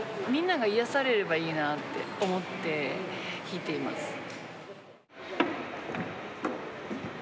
みんなが癒やされればいいなあって思って弾いています。